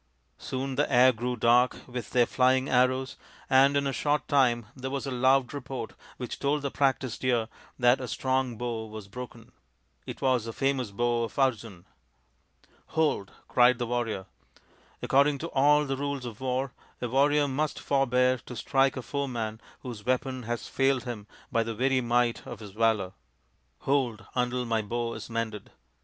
Soon the air grew dark with their flying arrows, and in a short time there was a loud report which told the practised ear that a strong bow was broken. It was the famous bow of Arjun !" Hold !" cried the warrior. " According to all the rules of war, a warrior must forbear to strike a THE FIVE TALL SONS OF PANDU 115 foeman whose weapon has failed him by the very might of his valour. Hold, until my bow is mended.